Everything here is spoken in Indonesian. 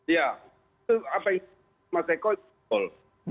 ya itu apa yang mas eko jelas